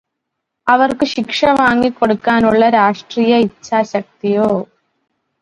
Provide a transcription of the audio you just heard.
അവര്ക്കു ശിക്ഷ വാങ്ങി കൊടുക്കാനുള്ള രാഷ്ട്രീയ ഇച്ഛാശക്തിയോ